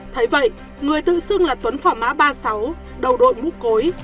thấy vậy người tự xưng là tuấn phỏ má ba mươi sáu đầu đội mũ cối